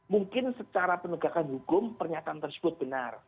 mungkin secara penegakan hukum pernyataan tersebut benar